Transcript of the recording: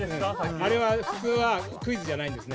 ◆あれは普通はクイズじゃないんですね。